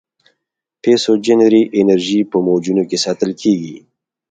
پسیوجنري انرژي په موجونو کې ساتل کېږي.